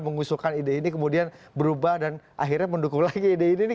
mengusulkan ide ini kemudian berubah dan akhirnya mendukung lagi ide ini